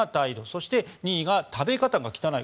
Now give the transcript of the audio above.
そして２位が食べ方が汚い。